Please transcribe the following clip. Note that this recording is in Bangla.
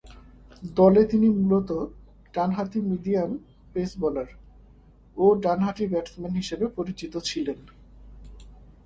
দলে তিনি মূলতঃ ডানহাতি মিডিয়াম-পেস বোলার ও ডানহাতি ব্যাটসম্যান হিসেবে পরিচিত ছিলেন।